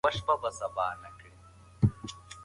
موږ باید ځان له نړۍ سره سیال کړو.